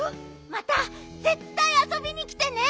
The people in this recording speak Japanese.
またぜったいあそびにきてね！